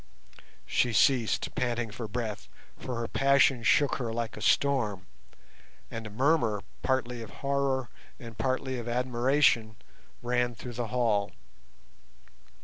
She ceased, panting for breath, for her passion shook her like a storm, and a murmur, partly of horror and partly of admiration, ran through the hall.